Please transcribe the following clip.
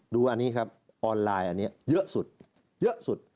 ดูอันนี้ครับออนไลน์อันนี้เยอะสุดเยอะสุด